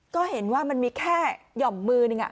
ก็เห็นว่ามันมีแค่หย่อมมือหนึ่ง